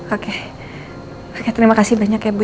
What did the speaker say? oke terima kasih banyak ya bu